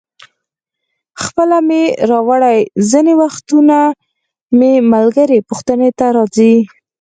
خپله مې راوړي، ځینې وختونه مې ملګري پوښتنې ته راځي.